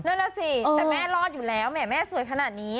นั่นแหละสิแต่แม่รอดอยู่เลยเอาแม่แสวนขนาดนี้